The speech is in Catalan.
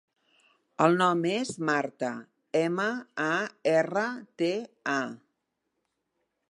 El nom és Marta: ema, a, erra, te, a.